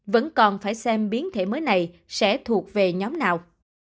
vẫn còn phải xem biến thể mới này sẽ thuộc về nhóm nào